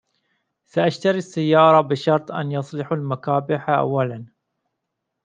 .سأشتري السيارة بشرط أن يصلحوا المكابح أولاً